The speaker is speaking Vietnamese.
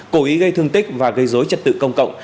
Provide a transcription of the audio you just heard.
cố ý gây thương tích và gây dối trật tự công cộng